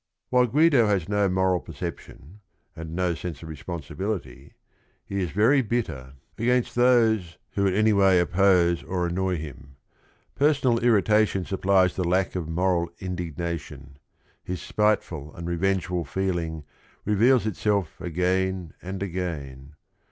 While Guido has no moral perception and no sense of responsibility, he is very bitter against 200 THE RING AND THE BOOK those who in any way oppose or annoy him. Personal irritation supplies the lack of moral indignation. His spiteful and revengeful feel ing reveals itself again and again.